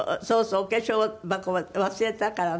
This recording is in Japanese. お化粧箱忘れたからね